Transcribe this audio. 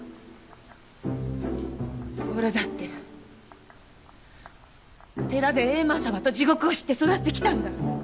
おらだって寺で閻魔様と地獄を知って育ってきたんだ。